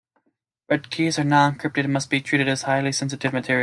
Red keys are not encrypted and must be treated as highly sensitive material.